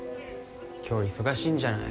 今日忙しいんじゃない？